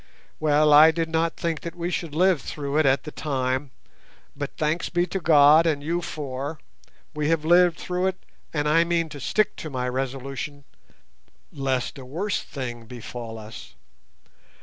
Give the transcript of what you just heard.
Well, I did not think that we should live through it at the time; but thanks be to God and you four, we have lived through it, and I mean to stick to my resolution, lest a worse thing befall us.